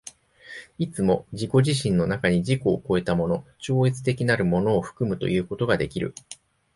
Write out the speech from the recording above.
いつも自己自身の中に自己を越えたもの、超越的なるものを含むということができる。